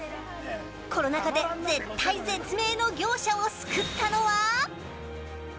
コロナ禍で絶体絶命の業者を救ったのは。